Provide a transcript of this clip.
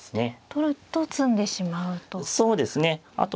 取ると詰んでしまうと。